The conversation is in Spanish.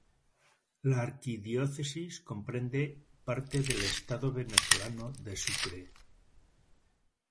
La arquidiócesis comprende parte del estado venezolano de Sucre.